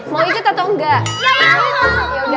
mau ikut atau enggak